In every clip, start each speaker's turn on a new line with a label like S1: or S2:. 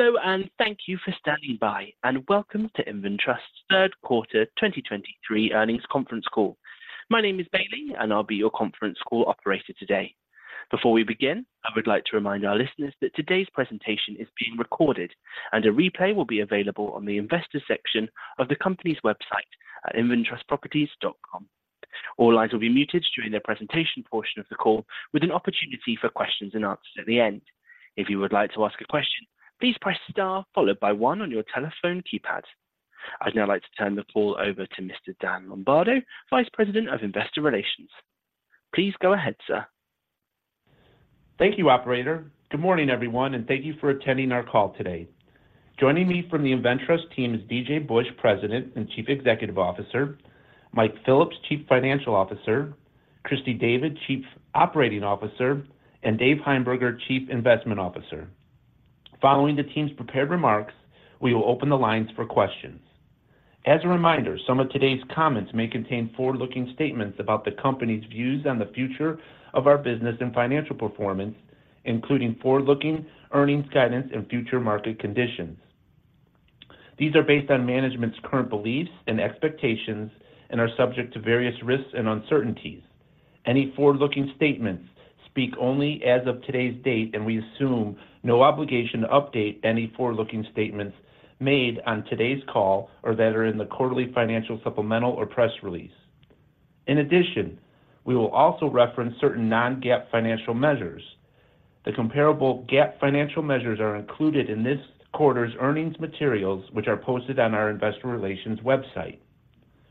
S1: Hello, and thank you for standing by, and welcome to InvenTrust's Third Quarter 2023 Earnings Conference Call. My name is Bailey, and I'll be your conference call operator today. Before we begin, I would like to remind our listeners that today's presentation is being recorded, and a replay will be available on the investors section of the company's website at inventrustproperties.com. All lines will be muted during the presentation portion of the call, with an opportunity for questions and answers at the end. If you would like to ask a question, please press star, followed by one on your telephone keypad. I'd now like to turn the call over to Mr. Dan Lombardo, Vice President of Investor Relations. Please go ahead, sir.
S2: Thank you, operator. Good morning, everyone, and thank you for attending our call today. Joining me from the InvenTrust team is DJ Busch, President and Chief Executive Officer; Mike Phillips, Chief Financial Officer; Christy David, Chief Operating Officer; and Dave Heimberger, Chief Investment Officer. Following the team's prepared remarks, we will open the lines for questions. As a reminder, some of today's comments may contain forward-looking statements about the company's views on the future of our business and financial performance, including forward-looking earnings, guidance, and future market conditions. These are based on management's current beliefs and expectations and are subject to various risks and uncertainties. Any forward-looking statements speak only as of today's date, and we assume no obligation to update any forward-looking statements made on today's call or that are in the quarterly financial, supplemental, or press release. In addition, we will also reference certain non-GAAP financial measures. The comparable GAAP financial measures are included in this quarter's earnings materials, which are posted on our investor relations website.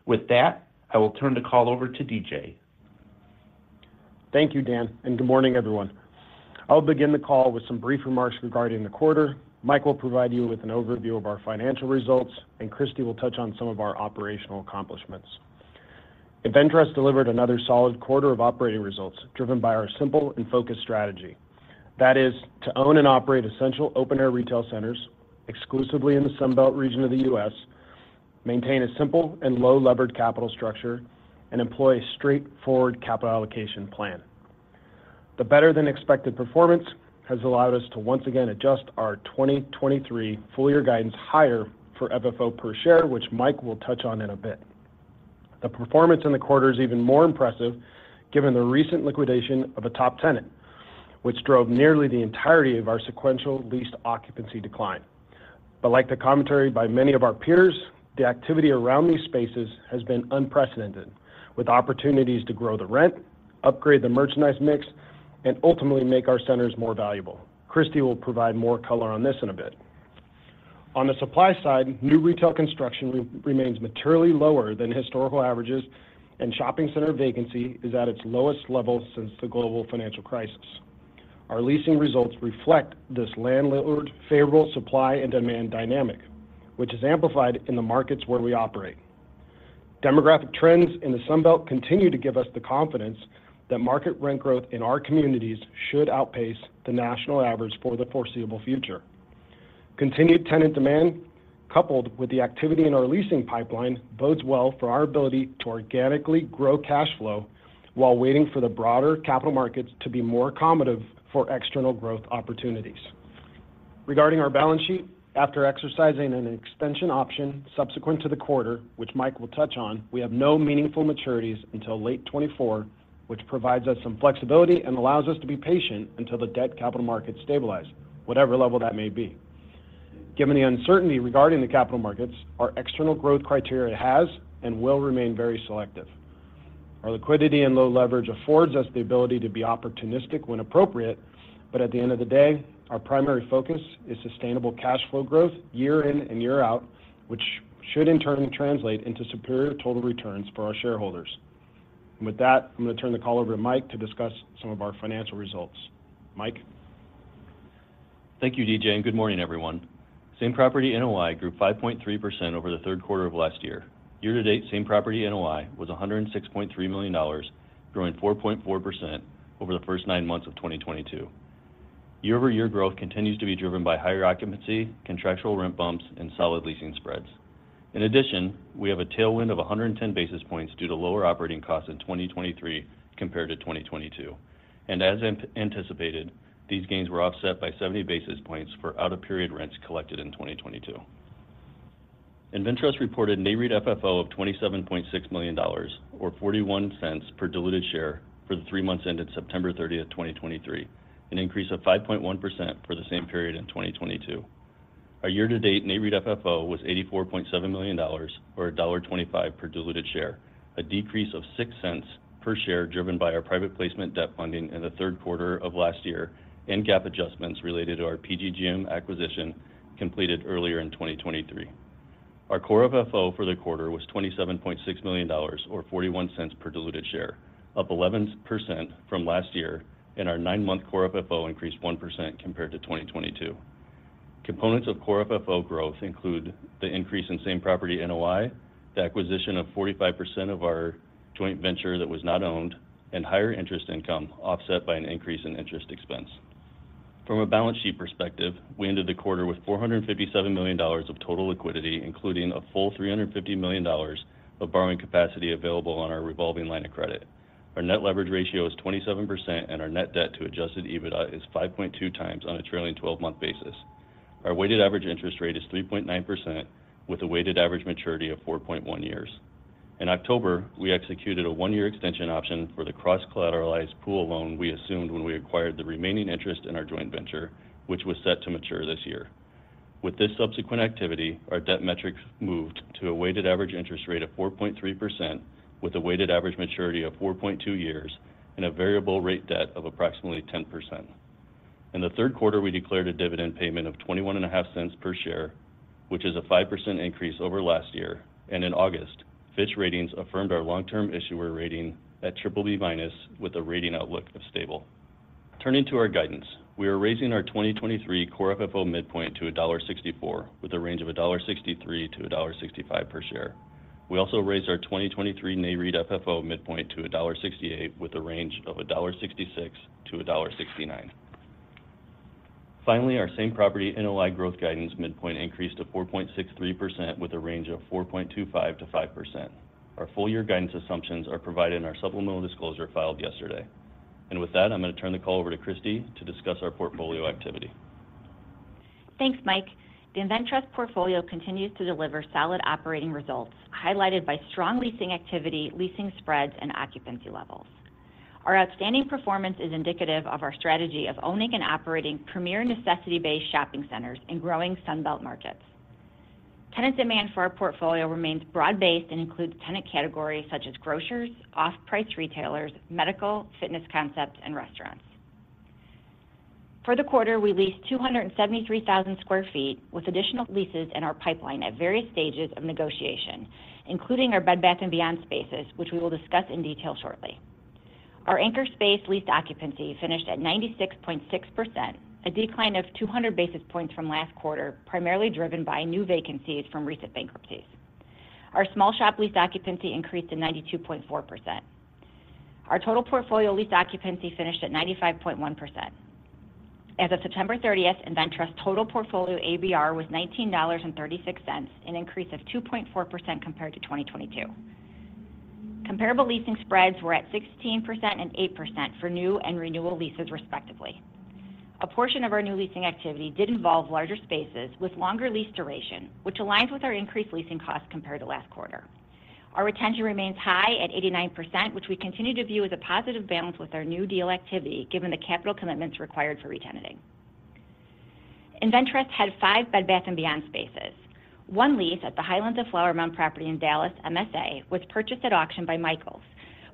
S2: With that, I will turn the call over to DJ.
S3: Thank you, Dan, and good morning, everyone. I'll begin the call with some brief remarks regarding the quarter. Mike will provide you with an overview of our financial results, and Christy will touch on some of our operational accomplishments. InvenTrust delivered another solid quarter of operating results, driven by our simple and focused strategy. That is, to own and operate essential open air retail centers exclusively in the Sun Belt region of the U.S., maintain a simple and low levered capital structure, and employ a straightforward capital allocation plan. The better-than-expected performance has allowed us to once again adjust our 2023 full year guidance higher for FFO per share, which Mike will touch on in a bit. The performance in the quarter is even more impressive given the recent liquidation of a top tenant, which drove nearly the entirety of our sequential leased occupancy decline. But like the commentary by many of our peers, the activity around these spaces has been unprecedented, with opportunities to grow the rent, upgrade the merchandise mix, and ultimately make our centers more valuable. Christy will provide more color on this in a bit. On the supply side, new retail construction remains materially lower than historical averages, and shopping center vacancy is at its lowest level since the global financial crisis. Our leasing results reflect this landlord-favorable supply and demand dynamic, which is amplified in the markets where we operate. Demographic trends in the Sun Belt continue to give us the confidence that market rent growth in our communities should outpace the national average for the foreseeable future. Continued tenant demand, coupled with the activity in our leasing pipeline, bodes well for our ability to organically grow cash flow while waiting for the broader capital markets to be more accommodative for external growth opportunities. Regarding our balance sheet, after exercising an extension option subsequent to the quarter, which Mike will touch on, we have no meaningful maturities until late 2024, which provides us some flexibility and allows us to be patient until the debt capital markets stabilize, whatever level that may be. Given the uncertainty regarding the capital markets, our external growth criteria has and will remain very selective. Our liquidity and low leverage affords us the ability to be opportunistic when appropriate, but at the end of the day, our primary focus is sustainable cash flow growth year in and year out, which should in turn translate into superior total returns for our shareholders. With that, I'm going to turn the call over to Mike to discuss some of our financial results. Mike?
S4: Thank you, DJ, and good morning, everyone. Same-Property NOI grew 5.3% over the third quarter of last year. Year to date, Same-Property NOI was $106.3 million, growing 4.4% over the first nine months of 2022. Year-over-year growth continues to be driven by higher occupancy, contractual rent bumps, and solid leasing spreads. In addition, we have a tailwind of 110 basis points due to lower operating costs in 2023 compared to 2022. As anticipated, these gains were offset by 70 basis points for out-of-period rents collected in 2022. InvenTrust reported Nareit FFO of $27.6 million or $0.41 per diluted share for the three months ended September 30, 2023, an increase of 5.1% for the same period in 2022. Our year-to-date Nareit FFO was $84.7 million or $1.25 per diluted share, a decrease of $0.06 per share, driven by our private placement debt funding in the third quarter of last year and GAAP adjustments related to our PGGM acquisition completed earlier in 2023. Our Core FFO for the quarter was $27.6 million or $0.41 per diluted share, up 11% from last year, and our nine-month Core FFO increased 1% compared to 2022. Components of Core FFO growth include the increase in same-property NOI, the acquisition of 45% of our joint venture that was not owned, and higher interest income, offset by an increase in interest expense. From a balance sheet perspective, we ended the quarter with $457 million of total liquidity, including a full $350 million of borrowing capacity available on our revolving line of credit. Our net leverage ratio is 27%, and our net debt to adjusted EBITDA is 5.2x on a trailing twelve-month basis. Our weighted average interest rate is 3.9%, with a weighted average maturity of 4.1 years. In October, we executed a one-year extension option for the cross-collateralized pool loan we assumed when we acquired the remaining interest in our joint venture, which was set to mature this year. With this subsequent activity, our debt metrics moved to a weighted average interest rate of 4.3%, with a weighted average maturity of 4.2 years and a variable rate debt of approximately 10%. In the third quarter, we declared a dividend payment of $0.215 per share, which is a 5% increase over last year, and in August, Fitch Ratings affirmed our long-term issuer rating at BBB-, with a rating outlook of stable. Turning to our guidance, we are raising our 2023 core FFO midpoint to $1.64, with a range of $1.63-$1.65 per share. We also raised our 2023 Nareit FFO midpoint to $1.68, with a range of $1.66-$1.69. Finally, our same-property NOI growth guidance midpoint increased to 4.63%, with a range of 4.25%-5%. Our full year guidance assumptions are provided in our supplemental disclosure filed yesterday. With that, I'm going to turn the call over to Christy to discuss our portfolio activity.
S5: Thanks, Mike. The InvenTrust portfolio continues to deliver solid operating results, highlighted by strong leasing activity, leasing spreads, and occupancy levels. Our outstanding performance is indicative of our strategy of owning and operating premier necessity-based shopping centers in growing Sun Belt markets. Tenant demand for our portfolio remains broad-based and includes tenant categories such as grocers, off-price retailers, medical, fitness concepts, and restaurants. For the quarter, we leased 273,000 sq ft, with additional leases in our pipeline at various stages of negotiation, including our Bed Bath & Beyond spaces, which we will discuss in detail shortly. Our anchor space lease occupancy finished at 96.6%, a decline of 200 basis points from last quarter, primarily driven by new vacancies from recent bankruptcies. Our small shop lease occupancy increased to 92.4%. Our total portfolio lease occupancy finished at 95.1%. As of September thirtieth, InvenTrust's total portfolio ABR was $19.36, an increase of 2.4% compared to 2022. Comparable leasing spreads were at 16% and 8% for new and renewal leases respectively. A portion of our new leasing activity did involve larger spaces with longer lease duration, which aligns with our increased leasing costs compared to last quarter. Our retention remains high at 89%, which we continue to view as a positive balance with our new deal activity, given the capital commitments required for re-tenanting. InvenTrust had five Bed Bath & Beyond spaces. One lease at the Highlands of Flower Mound property in Dallas, MSA, was purchased at auction by Michaels,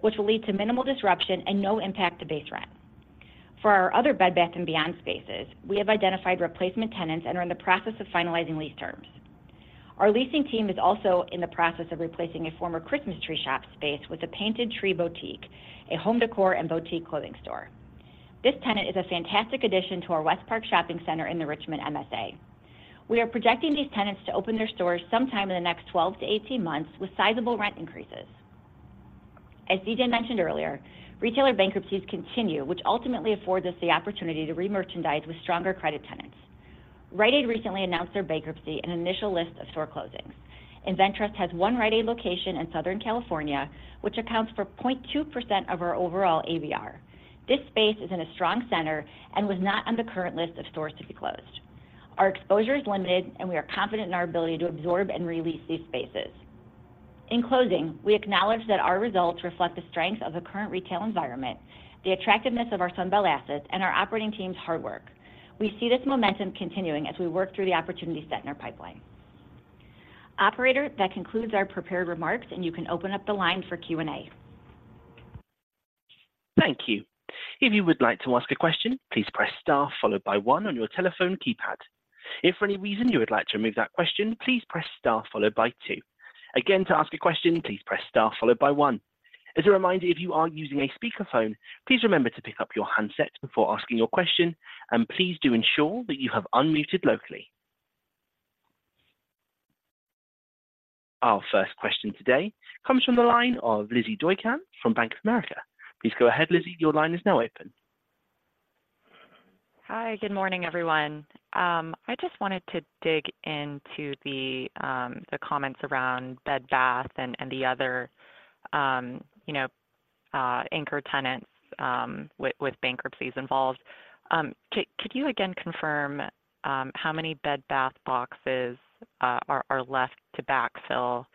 S5: which will lead to minimal disruption and no impact to base rent. For our other Bed Bath & Beyond spaces, we have identified replacement tenants and are in the process of finalizing lease terms. Our leasing team is also in the process of replacing a former Christmas Tree Shops space with a Painted Tree Boutique, a home decor and boutique clothing store. This tenant is a fantastic addition to our West Park Shopping Center in the Richmond MSA. We are projecting these tenants to open their stores sometime in the next 12-18 months with sizable rent increases. As DJ mentioned earlier, retailer bankruptcies continue, which ultimately affords us the opportunity to re-merchandise with stronger credit tenants. Rite Aid recently announced their bankruptcy and initial list of store closings. InvenTrust has one Rite Aid location in Southern California, which accounts for 0.2% of our overall ABR. This space is in a strong center and was not on the current list of stores to be closed. Our exposure is limited, and we are confident in our ability to absorb and re-lease these spaces. In closing, we acknowledge that our results reflect the strengths of the current retail environment, the attractiveness of our Sun Belt assets, and our operating team's hard work. We see this momentum continuing as we work through the opportunity set in our pipeline. Operator, that concludes our prepared remarks, and you can open up the line for Q&A.
S1: Thank you. If you would like to ask a question, please press star followed by one on your telephone keypad. If for any reason you would like to remove that question, please press star followed by two. Again, to ask a question, please press star followed by one. As a reminder, if you are using a speakerphone, please remember to pick up your handset before asking your question, and please do ensure that you have unmuted locally. Our first question today comes from the line of Lizzy Doykan from Bank of America. Please go ahead, Lizzy, your line is now open.
S6: Hi, good morning, everyone. I just wanted to dig into the comments around Bed Bath and the other, you know, anchor tenants with bankruptcies involved. Could you again confirm how many Bed Bath boxes are left to backfill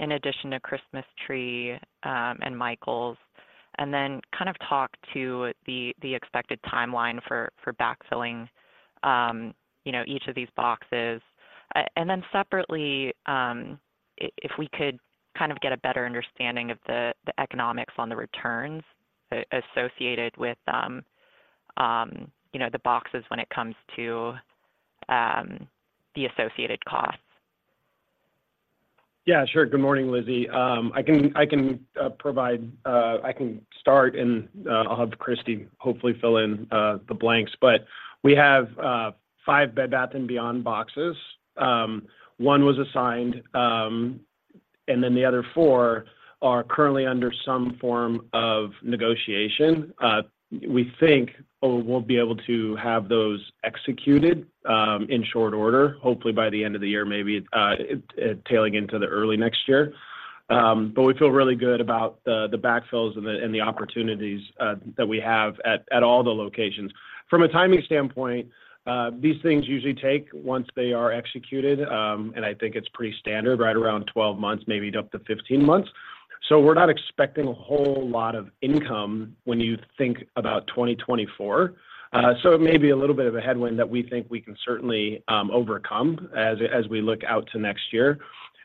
S6: in addition to Christmas Tree and Michaels? And then kind of talk to the expected timeline for backfilling, you know, each of these boxes. And then separately, if we could kind of get a better understanding of the economics on the returns associated with, you know, the boxes when it comes to the associated costs.
S3: Yeah, sure. Good morning, Lizzy. I can start, and I'll have Christy hopefully fill in the blanks. But we have five Bed Bath & Beyond boxes. One was assigned, and then the other four are currently under some form of negotiation. We think we'll be able to have those executed in short order, hopefully by the end of the year, maybe trailing into the early next year. But we feel really good about the backfills and the opportunities that we have at all the locations. From a timing standpoint, these things usually take, once they are executed, and I think it's pretty standard, right around 12 months, maybe up to 15 months. So we're not expecting a whole lot of income when you think about 2024. So it may be a little bit of a headwind that we think we can certainly overcome as we look out to next year.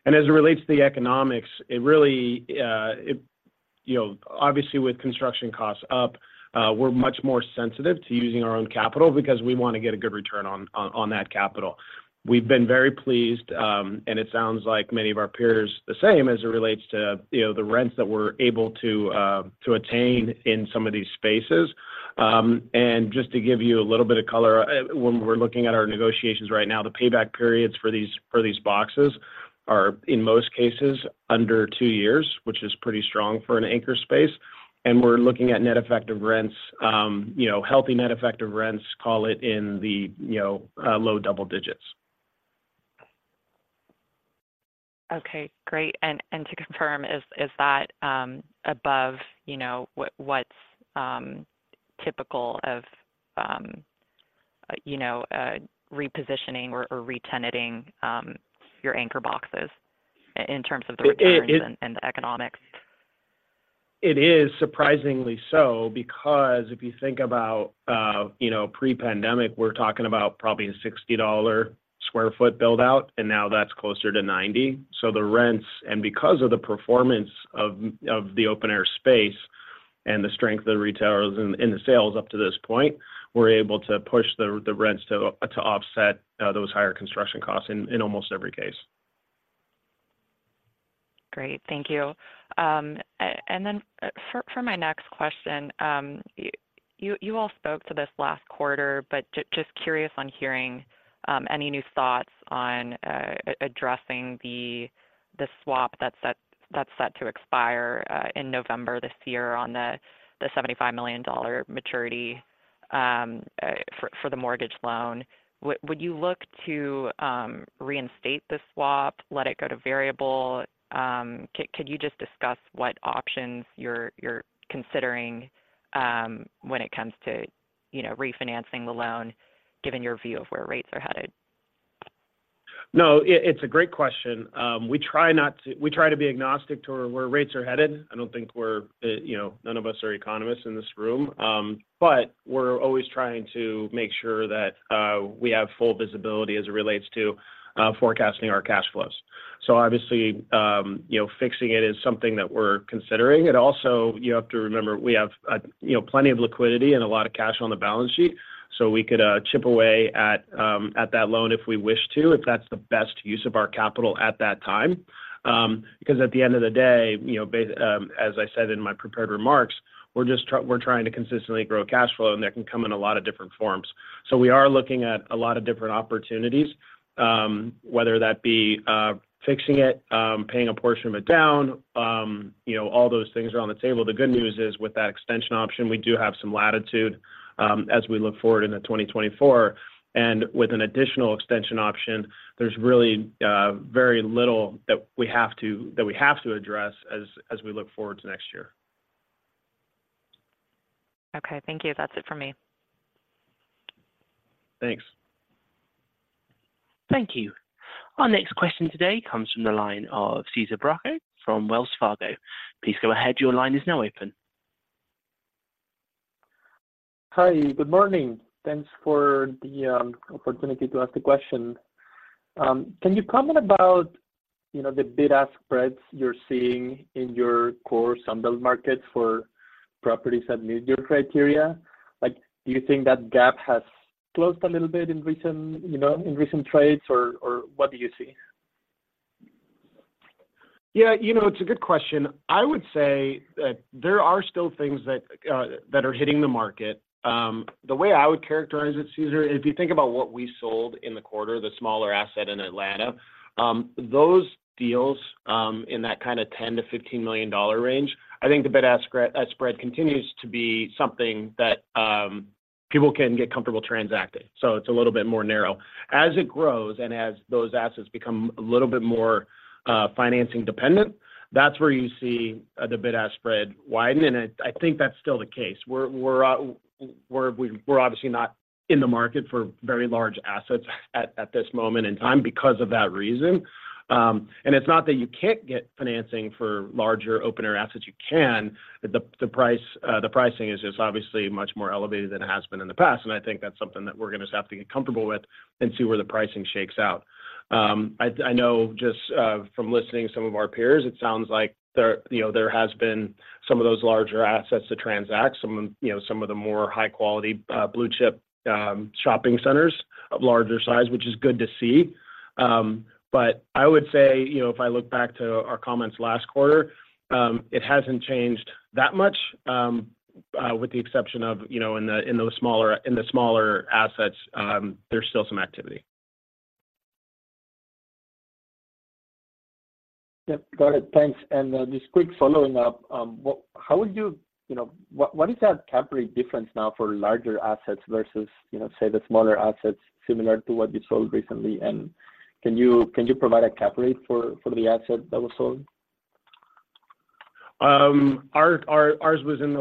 S3: And as it relates to the economics, it really, you know, obviously, with construction costs up, we're much more sensitive to using our own capital because we want to get a good return on that capital. We've been very pleased, and it sounds like many of our peers the same as it relates to, you know, the rents that we're able to to attain in some of these spaces. And just to give you a little bit of color, when we're looking at our negotiations right now, the payback periods for these, for these boxes are, in most cases, under two years, which is pretty strong for an anchor space. And we're looking at net effective rents, you know, healthy net effective rents, call it in the, you know, low double digits.
S6: Okay, great. And to confirm, is that above, you know, what's typical of, you know, repositioning or retenanting your anchor boxes in terms of the returns?
S3: It, it-
S6: And the economics?
S3: It is surprisingly so, because if you think about, you know, pre-pandemic, we're talking about probably a $60 sq ft build-out, and now that's closer to $90. So the rents, and because of the performance of the open-air space and the strength of the retailers and the sales up to this point, we're able to push the rents to offset those higher construction costs in almost every case.
S6: Great. Thank you. And then for my next question, you all spoke to this last quarter, but just curious on hearing any new thoughts on addressing the swap that's set to expire in November this year on the $75 million maturity for the mortgage loan. Would you look to reinstate the swap, let it go to variable? Could you just discuss what options you're considering when it comes to, you know, refinancing the loan, given your view of where rates are headed?
S3: No, it's a great question. We try not to, we try to be agnostic to where rates are headed. I don't think we're, you know, none of us are economists in this room. But we're always trying to make sure that we have full visibility as it relates to forecasting our cash flows. So obviously, you know, fixing it is something that we're considering. It also, you have to remember, we have, you know, plenty of liquidity and a lot of cash on the balance sheet, so we could chip away at that loan if we wish to, if that's the best use of our capital at that time. Because at the end of the day, you know, as I said in my prepared remarks, we're just trying to consistently grow cash flow, and that can come in a lot of different forms. So we are looking at a lot of different opportunities, whether that be fixing it, paying a portion of it down, you got it, all those things are on the table. The good news is, with that extension option, we do have some latitude as we look forward into 2024. And with an additional extension option, there's really very little that we have to address as we look forward to next year.
S6: Okay, thank you. That's it for me.
S3: Thanks.
S1: Thank you. Our next question today comes from the line of Cesar Bracho from Wells Fargo. Please go ahead. Your line is now open.
S7: Hi, good morning. Thanks for the opportunity to ask the question. Can you comment about, you know, the bid-ask spreads you're seeing in your core Sun Belt markets for properties that meet your criteria? Like, do you think that gap has closed a little bit in recent, you know, in recent trades, or, or what do you see?
S3: Yeah, you know, it's a good question. I would say that there are still things that that are hitting the market. The way I would characterize it, Cesar, if you think about what we sold in the quarter, the smaller asset in Atlanta, those deals in that kind of $10 million-$15 million range, I think the bid-ask spread continues to be something that people can get comfortable transacting, so it's a little bit more narrow. As it grows and as those assets become a little bit more financing dependent, that's where you see the bid-ask spread widen, and I think that's still the case. We're obviously not in the market for very large assets at this moment in time because of that reason. And it's not that you can't get financing for larger open-air assets, you can, but the pricing is just obviously much more elevated than it has been in the past, and I think that's something that we're going to just have to get comfortable with and see where the pricing shakes out. I know just from listening to some of our peers, it sounds like there, you know, there has been some of those larger assets to transact, some of, you know, some of the more high quality blue chip shopping centers of larger size, which is good to see. But I would say, you know, if I look back to our comments last quarter, it hasn't changed that much, with the exception of, you know, in those smaller assets, there's still some activity.
S7: Yep. Got it. Thanks. And just quick following up, how would you... You know, what is that cap rate difference now for larger assets versus, you know, say, the smaller assets, similar to what you sold recently? And can you, can you provide a cap rate for, for the asset that was sold?
S3: Our, ours was in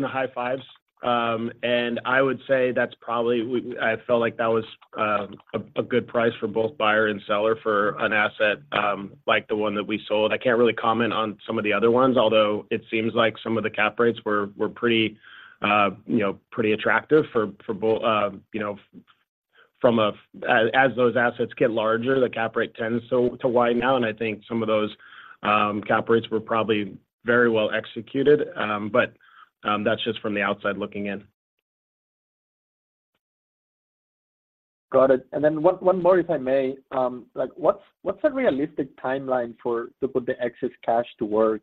S3: the high fives. I would say that's probably, we, I felt like that was a good price for both buyer and seller for an asset like the one that we sold. I can't really comment on some of the other ones, although it seems like some of the cap rates were pretty, you know, pretty attractive for, for both, you know, from a-- as those assets get larger, the cap rate tends to widen out, and I think some of those cap rates were probably very well executed. That's just from the outside looking in.
S7: Got it. And then one more, if I may. Like, what's a realistic timeline for to put the excess cash to work?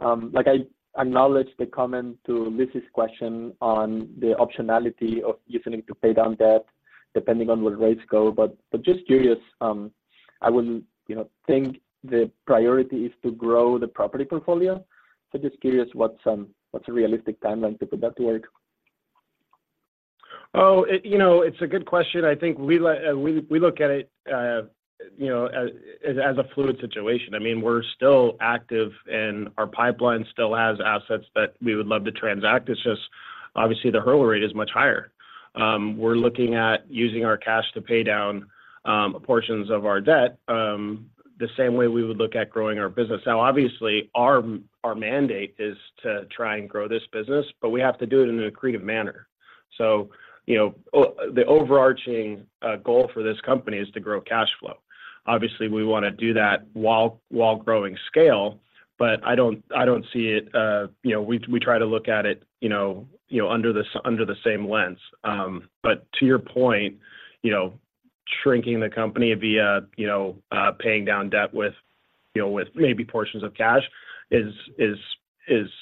S7: Like, I acknowledge the comment to Lizzy's question on the optionality of using it to pay down debt, depending on where rates go. But just curious, I would, you know, think the priority is to grow the property portfolio. So just curious, what's a realistic timeline to put that to work?
S3: Oh, you know, it's a good question. I think we look at it, you know, as a fluid situation. I mean, we're still active, and our pipeline still has assets that we would love to transact. It's just obviously the hurdle rate is much higher. We're looking at using our cash to pay down portions of our debt, the same way we would look at growing our business. Now, obviously, our mandate is to try and grow this business, but we have to do it in an accretive manner. So, you know, the overarching goal for this company is to grow cash flow. Obviously, we wanna do that while growing scale, but I don't see it. You know, we try to look at it, you know, you know, under the same lens. But to your point, you know, shrinking the company via, you know, paying down debt with, you know, with maybe portions of cash is it's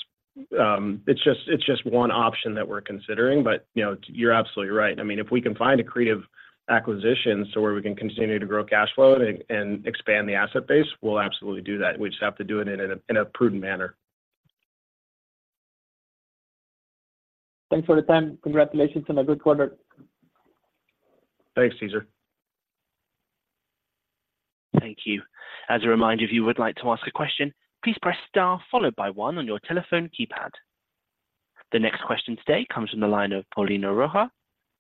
S3: just one option that we're considering. But, you know, you're absolutely right. I mean, if we can find accretive acquisitions so where we can continue to grow cash flow and expand the asset base, we'll absolutely do that. We just have to do it in a prudent manner.
S7: Thanks for the time. Congratulations on a good quarter.
S3: Thanks, Cesar.
S1: Thank you. As a reminder, if you would like to ask a question, please press star followed by one on your telephone keypad. The next question today comes from the line of Paulina Rojas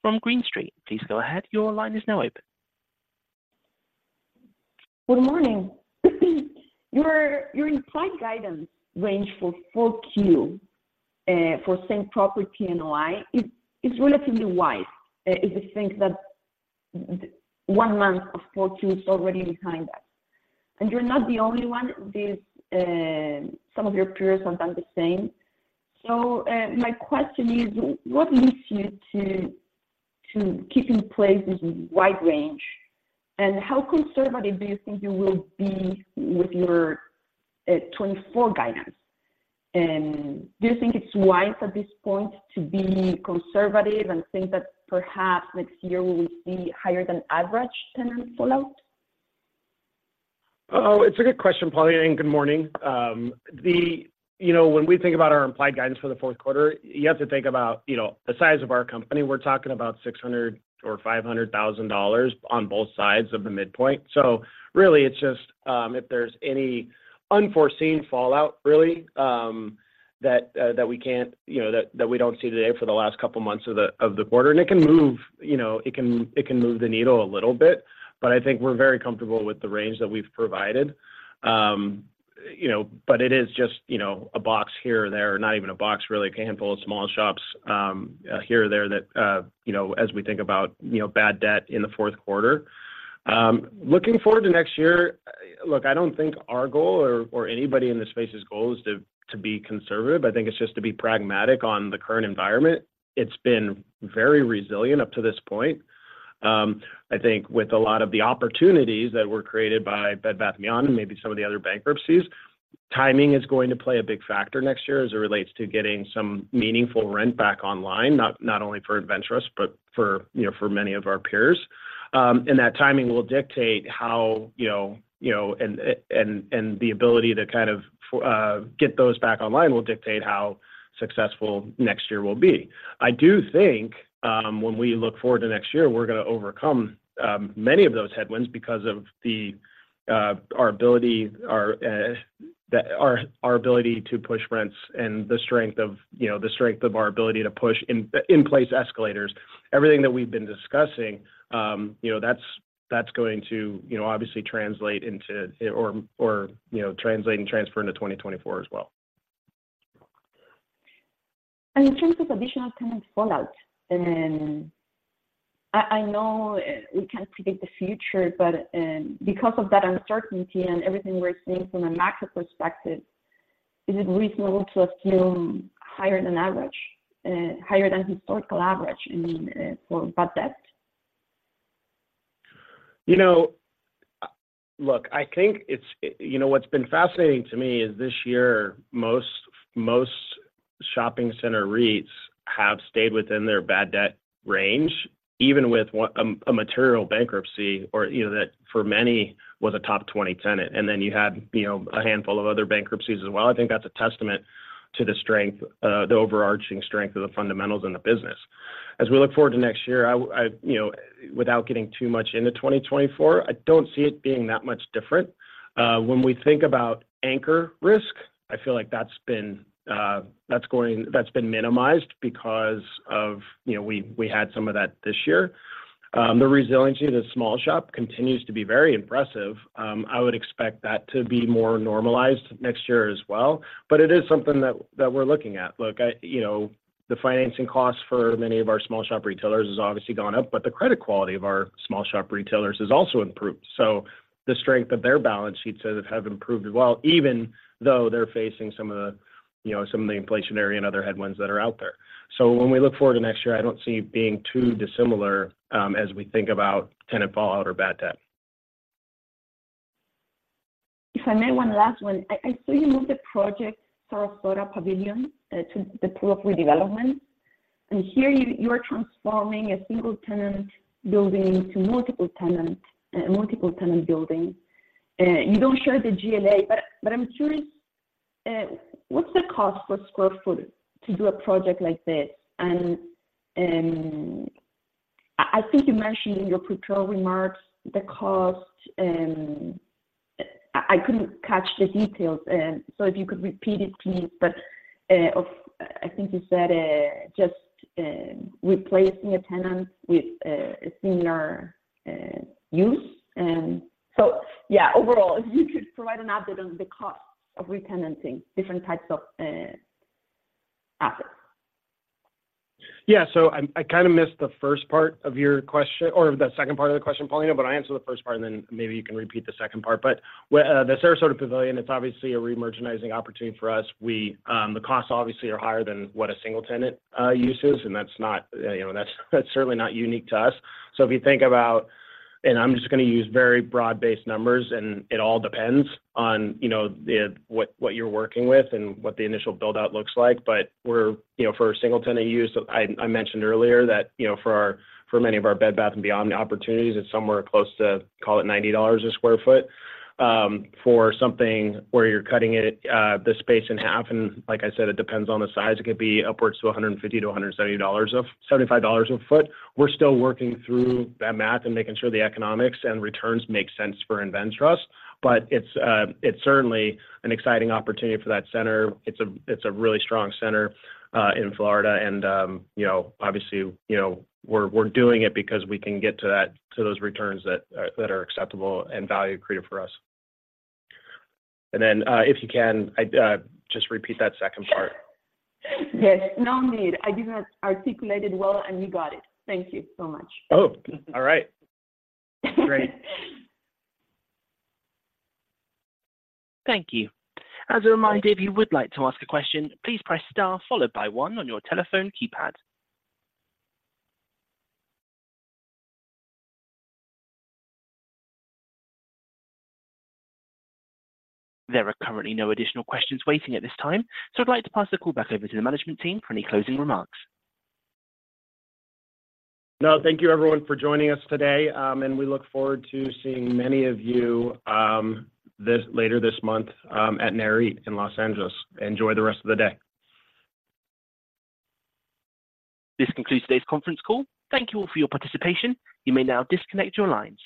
S1: from Green Street. Please go ahead. Your line is now open.
S8: Good morning. Your implied guidance range for 4Q, for Same-Property NOI is relatively wide, if you think that one month of 4Q is already behind us. And you're not the only one. Some of your peers have done the same. So, my question is: What leads you to keeping in place this wide range? And how conservative do you think you will be with your 2024 guidance? And do you think it's wise at this point to be conservative and think that perhaps next year we will see higher than average tenant fallout?
S3: Oh, it's a good question, Paulina, and good morning. You know, when we think about our implied guidance for the fourth quarter, you have to think about, you know, the size of our company. We're talking about $600,000 or $500,000 on both sides of the midpoint. So really, it's just if there's any unforeseen fallout really that we can't, you know, that we don't see today for the last couple of months of the quarter. And it can move, you know, it can move the needle a little bit, but I think we're very comfortable with the range that we've provided. You know, but it is just, you know, a box here or there, not even a box, really, a handful of small shops, here or there that, you know, as we think about, you know, bad debt in the fourth quarter. Looking forward to next year, look, I don't think our goal or, or anybody in this space's goal is to, to be conservative. I think it's just to be pragmatic on the current environment. It's been very resilient up to this point. I think with a lot of the opportunities that were created by Bed Bath & Beyond and maybe some of the other bankruptcies, timing is going to play a big factor next year as it relates to getting some meaningful rent back online, not, not only for InvenTrust, but for, you know, for many of our peers. And that timing will dictate how, you know, you know, and the ability to kind of get those back online will dictate how successful next year will be. I do think, when we look forward to next year, we're gonna overcome many of those headwinds because of our ability to push rents and the strength of, you know, the strength of our ability to push in-place escalators. Everything that we've been discussing, you know, that's going to, you know, obviously translate into or, you know, translate and transfer into 2024 as well.
S8: In terms of additional tenant fallout, and I know we can't predict the future, but because of that uncertainty and everything we're seeing from a macro perspective, is it reasonable to assume higher than average, higher than historical average in for bad debt?
S3: You know, look, I think it's— You know, what's been fascinating to me is this year, most, most shopping center REITs have stayed within their bad debt range, even with one, a material bankruptcy or, you know, that for many was a top 20 tenant, and then you had, you know, a handful of other bankruptcies as well. I think that's a testament— to the strength, the overarching strength of the fundamentals in the business. As we look forward to next year, I, you know, without getting too much into 2024, I don't see it being that much different. When we think about anchor risk, I feel like that's been, that's been minimized because of, you know, we, we had some of that this year. The resiliency of the small shop continues to be very impressive. I would expect that to be more normalized next year as well, but it is something that we're looking at. Look, you know, the financing costs for many of our small shop retailers has obviously gone up, but the credit quality of our small shop retailers has also improved. So the strength of their balance sheets have improved as well, even though they're facing some of the, you know, some of the inflationary and other headwinds that are out there. So when we look forward to next year, I don't see it being too dissimilar, as we think about tenant fallout or bad debt.
S8: If I may, one last one. I saw you move the project Sarasota Pavilion to the pool of redevelopment. And here, you are transforming a single-tenant building into multiple tenant multiple tenant building. You don't share the GLA, but I'm curious, what's the cost per square foot to do a project like this? And I think you mentioned in your prepared remarks the cost, I couldn't catch the details, so if you could repeat it, please. But I think you said just replacing a tenant with a similar use. So yeah, overall, if you could provide an update on the costs of retenanting different types of assets.
S4: Yeah. So I kind of missed the first part of your question or the second part of the question, Paulina, but I answer the first part, and then maybe you can repeat the second part. But we, the Sarasota Pavilion, it's obviously a remerchandising opportunity for us. We, the costs obviously are higher than what a single tenant uses, and that's not, you know, that's certainly not unique to us. So if you think about... And I'm just going to use very broad-based numbers, and it all depends on, you know, what you're working with and what the initial build-out looks like. But we're, you know, for a single tenant use, I mentioned earlier that, you know, for many of our Bed Bath & Beyond opportunities, it's somewhere close to, call it, $90 a sq ft. For something where you're cutting it, the space in half, and like I said, it depends on the size. It could be upwards to $150-$170 a—$75 a foot. We're still working through that math and making sure the economics and returns make sense for InvenTrust, but it's, it's certainly an exciting opportunity for that center. It's a, it's a really strong center in Florida, and, you know, obviously, you know, we're, we're doing it because we can get to that- to those returns that are, that are acceptable and value creative for us. And then, if you can, just repeat that second part.
S8: Sure. Yes, no need. I did not articulate it well, and you got it. Thank you so much.
S3: Oh, all right. Great.
S1: Thank you. As a reminder, if you would like to ask a question, please press Star followed by One on your telephone keypad. There are currently no additional questions waiting at this time, so I'd like to pass the call back over to the management team for any closing remarks.
S3: No, thank you everyone for joining us today, and we look forward to seeing many of you later this month at NAREIT in Los Angeles. Enjoy the rest of the day.
S1: This concludes today's conference call. Thank you all for your participation. You may now disconnect your lines.